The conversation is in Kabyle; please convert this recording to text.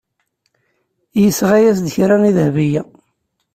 Yesɣa-as-d kra i Dahbiya.